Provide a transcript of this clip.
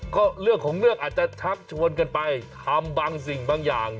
ก็เรื่องของเรื่องอาจจะชักชวนกันไปทำบางสิ่งบางอย่าง